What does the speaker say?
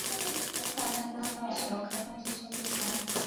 大淡大道使用开放式收费系统。